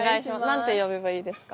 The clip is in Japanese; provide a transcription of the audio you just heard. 何て呼べばいいですか？